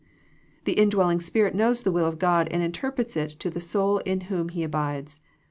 The indwelling Spirit knows the will of God and interprets it to the soul in whom He abides.